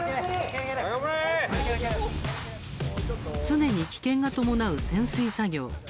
常に危険が伴う潜水作業。